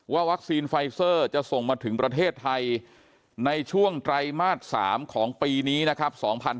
วัคซีนไฟเซอร์จะส่งมาถึงประเทศไทยในช่วงไตรมาส๓ของปีนี้นะครับ